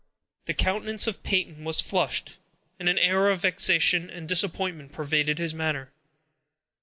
The countenance of Peyton was flushed, and an air of vexation and disappointment pervaded his manner.